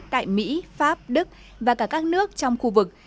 tại mỹ pháp đức và cả các nước trong khu vực